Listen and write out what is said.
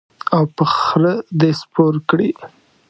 او په خره دې سپور کړي.